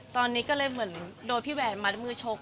ตอนนี้ก็เลยเหมือนโดนพี่แหวนมัดมือชก